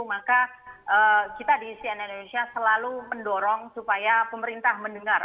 maka kita di cnn indonesia selalu mendorong supaya pemerintah mendengar